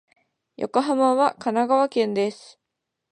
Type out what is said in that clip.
横浜は神奈川県です。